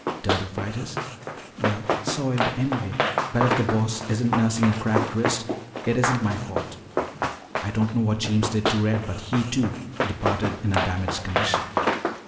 "Dirty fighters?" "Well, soiled anyway. But if the Boss isn't nursing a cracked wrist, it isn't my fault. I don't know what Jeems did to Red, but he, too, departed in a damaged condition.